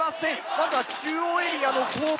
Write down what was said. まずは中央エリアの攻防。